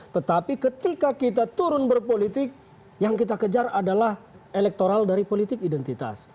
tetapi ketika kita turun berpolitik yang kita kejar adalah elektoral dari politik identitas